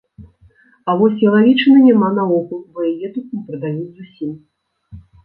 А вось ялавічыны няма наогул, бо яе тут не прадаюць зусім.